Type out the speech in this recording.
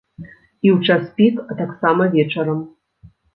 І ў час пік, а таксама вечарам.